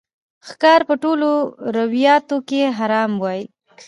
ښکار په ټولو روایاتو کې حرام وای